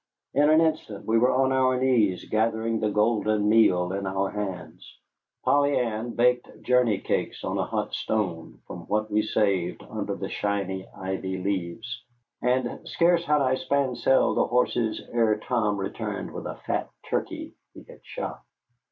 In an instant we were on our knees gathering the golden meal in our hands. Polly Ann baked journeycakes on a hot stone from what we saved under the shiny ivy leaves, and scarce had I spancelled the horses ere Tom returned with a fat turkey he had shot.